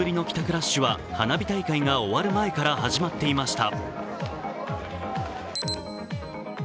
ラッシュは花火大会が終わる前から始まっていました。